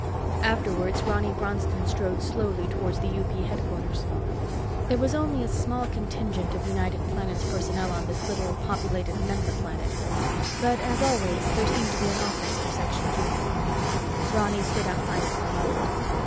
Afterwards, Ronny Bronston strode slowly toward the UP headquarters. There was only a small contingent of United Planets personnel on this little populated member planet but, as always, there seemed to be an office for Section G. Ronny stood outside it for a moment.